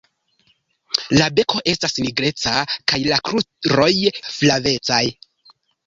La beko estas nigreca kaj la kruroj flavecaj.